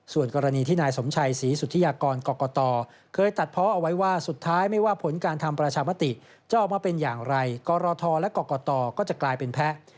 ส่วนกรณีที่นายสมชัยศรีสุธิยากรกรกตเคยตัดเพาะเอาไว้ว่าสุดท้ายไม่ว่าผลการทำประชามติจะออกมาเป็นอย่างไรกรทและกรกตก็จะกลายเป็นแพ้